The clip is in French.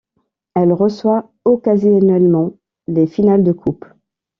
Elle reçoit occasionnellement les finales de coupes.